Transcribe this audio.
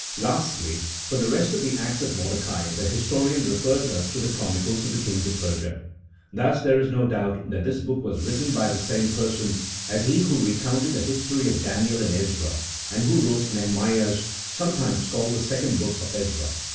Lastly, for the rest of the acts of Mordecai, the historian refers us to the chronicles of the kings of Persia. Thus there is no doubt that this book was written by the same person as he who recounted the history of Daniel and Ezra, and who wrote Nehemiah, 1 sometimes called the second book of Ezra.